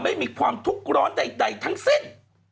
ไม่มีความทุกข์ร้อนใดทั้งสิ้น